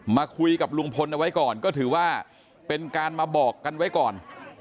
มาคุยกับลุงพลเอาไว้ก่อนก็ถือว่าเป็นการมาบอกกันไว้ก่อน